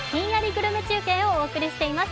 グルメ中継をお送りしています。